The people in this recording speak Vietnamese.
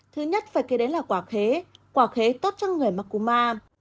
thứ nhất phải kể đến là quả khế quả khế tốt cho người mặc cô ma